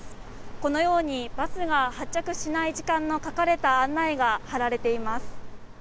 このようにバスが発着しない時間の書かれた案内が貼られています。